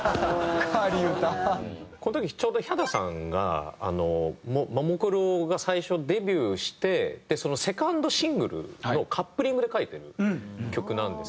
この時ちょうどヒャダさんがももクロが最初デビューして２ｎｄシングルのカップリングで書いてる曲なんですけど。